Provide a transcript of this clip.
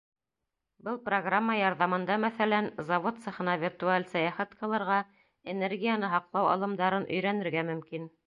Был программа ярҙамында, мәҫәлән, завод цехына виртуаль сәйәхәт ҡылырға, энергияны һаҡлау алымдарын өйрәнергә мөмкин.